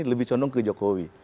lebih condong ke jokowi